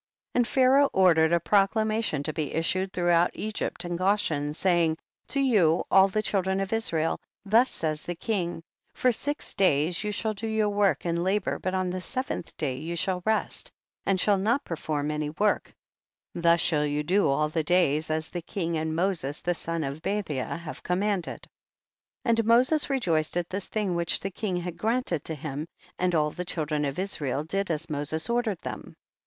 46. And Pharaoh ordered a pro clamation to be issued throughout Egypt and Goshen, saying, 47. To you, all the children of Israel, thus says the king, for six days you shall do your work and la bor but on the seventh day you shall rest, and shall not perform any work, thus shall you do all the days, as the king and Moses the son of Bathia have commanded. 48. And Moses rejoiced at this thing which the king had granted to him, and all the children of Israel did as Moses ordered them.